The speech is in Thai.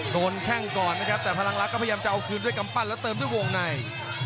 แข้งก่อนนะครับแต่พลังรักก็พยายามจะเอาคืนด้วยกำปั้นแล้วเติมด้วยวงใน